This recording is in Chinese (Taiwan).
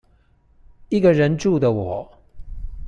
一個人住的我